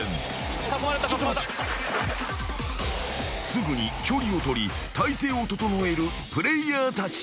［すぐに距離を取り体勢を整えるプレイヤーたち］